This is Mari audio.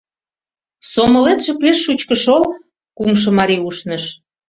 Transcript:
— Сомылетше пеш шучко шол, — кумшо марий ушныш.